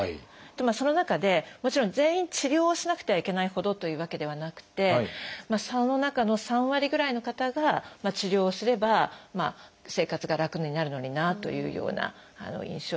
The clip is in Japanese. その中でもちろん全員治療をしなくてはいけないほどというわけではなくてその中の３割ぐらいの方が治療をすれば生活が楽になるのになというような印象はあります。